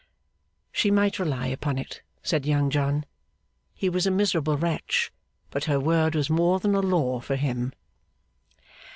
She might rely upon it, said Young John. He was a miserable wretch, but her word was more than a law for him.